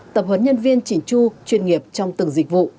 tập huấn nhân viên chỉ chu chuyên nghiệp trong từng dịch vụ